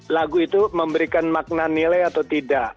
lagu itu memberikan makna nilai atau tidak